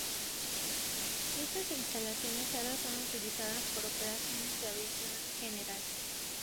Esas instalaciones ahora son utilizadas por las operaciones de aviación general.